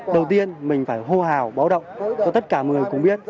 đầu tiên mình phải hô hào báo động cho tất cả mọi người cũng biết